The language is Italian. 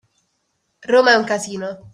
Roma è un casino.